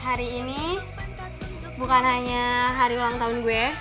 hari ini bukan hanya hari ulang tahun gue